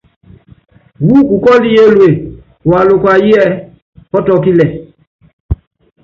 Wú kukɔ́lɔ Yɔɔlúɛ́, waluka wú ɛ́ɛ́ Pɔtikɔ́lɛ.